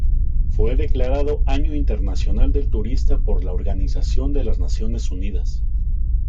Fue declarado "Año Internacional del Turista" por la Organización de las Naciones Unidas.